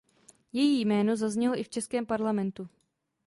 Její jméno zaznělo i v českém parlamentu.